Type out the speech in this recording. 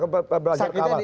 apakah belajar awal